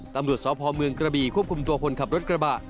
ตำรวจสพเมืองกระบีควบคุมตัวคนขับรถกระบะ